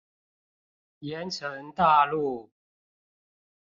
鹽埕大路